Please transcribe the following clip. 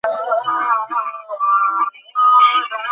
যুরারা ইবন আওফার বর্ণনায় কেবল ঘন্টার কথা উল্লেখিত হয়েছে।